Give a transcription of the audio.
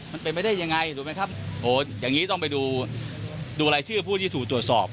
มันเป็นไปได้ยังไงถูกไหมครับโอ้อย่างงี้ต้องไปดูดูรายชื่อผู้ที่ถูกตรวจสอบ